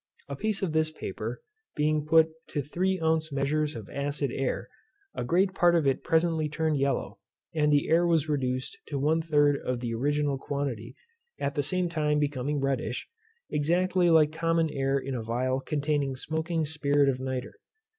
A piece of this paper being put to three ounce measures of acid air, a great part of it presently turned yellow, and the air was reduced to one third of the original quantity, at the same time becoming reddish, exactly like common air in a phial containing smoking spirit of nitre.